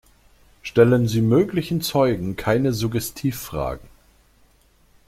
Stellen Sie möglichen Zeugen keine Suggestivfragen.